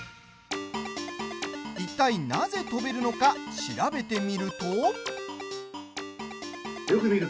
いったいなぜ飛べるのか調べてみると。